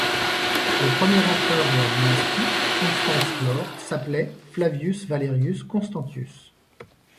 Le premier empereur de la dynastie, Constance Chlore, s'appelait Flavius Valerius Constantius.